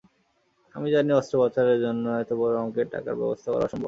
আমি জানি অস্ত্রোপচারের জন্য এত বড় অঙ্কের টাকার ব্যবস্থা করা অসম্ভব।